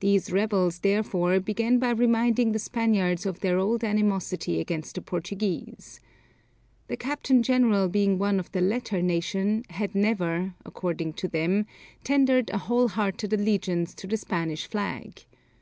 These rebels therefore began by reminding the Spaniards of their old animosity against the Portuguese. The captain general being one of the latter nation, had never, according to them, tendered a whole hearted allegiance to the Spanish flag.